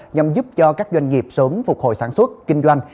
nhằm giúp cho các doanh nghiệp sớm phục hồi sản xuất kinh doanh